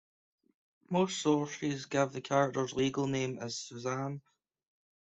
Most sources give the character's legal name as Suzanne.